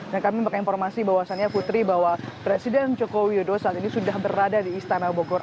dan kami mau informasi bahwasannya putri bahwa presiden jokowi yudho saat ini sudah berada di istana bogor